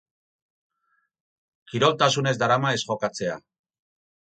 Kiroltasunez darama ez jokatzea.